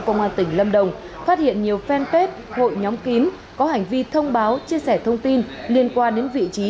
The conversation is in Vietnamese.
công an tỉnh lâm đồng phát hiện nhiều fanpage hội nhóm kín có hành vi thông báo chia sẻ thông tin liên quan đến vị trí